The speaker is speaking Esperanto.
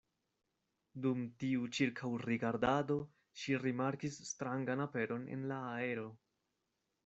Dum tiu ĉirkaŭrigardado ŝi rimarkis strangan aperon en la aero.